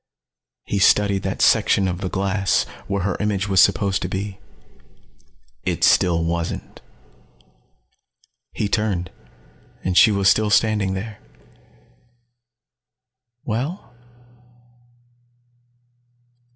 He studied that section of glass where her image was supposed to be. It still wasn't. He turned. And she was still standing there. "Well?"